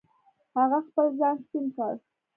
هغه خپل ځان سپین کړ.